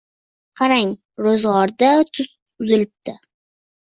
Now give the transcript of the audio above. – Qarang, ro‘zg‘orda tuz uzilibdi